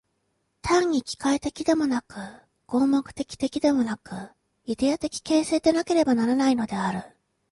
単に機械的でもなく、合目的的でもなく、イデヤ的形成でなければならないのである。